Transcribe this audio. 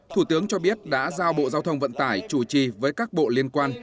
thủ tướng cho biết đã giao bộ giao thông vận tải chủ trì với các bộ liên quan